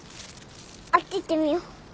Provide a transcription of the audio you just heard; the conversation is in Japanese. あっち行ってみよ。